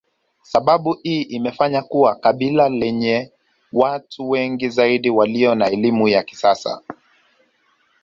Sababu hii imefanya kuwa kabila lenye watu wengi zaidi walio na elimu ya kisasa